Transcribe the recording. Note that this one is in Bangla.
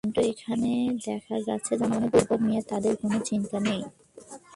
কিন্তু এখানে দেখা যাচ্ছে জনগণের দুর্ভোগ নিয়ে তাদের কোনো চিন্তা নেই।